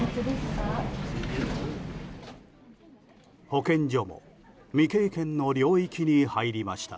保健所も未経験の領域に入りました。